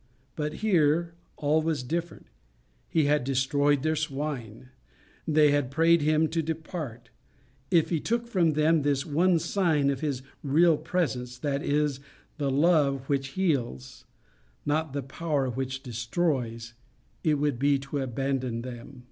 But here all was different. He had destroyed their swine; they had prayed him to depart; if he took from them this one sign of his real presence, that is, of the love which heals, not the power which destroys, it would be to abandon them.